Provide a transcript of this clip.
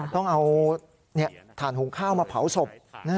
ต้องเอาถ่านหุงข้าวมาเผาศพ